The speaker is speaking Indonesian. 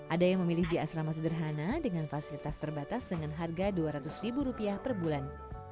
ada yang memilih di asrama sederhana dengan fasilitas terbatas dengan harga dua ratus ribu rupiah per bulan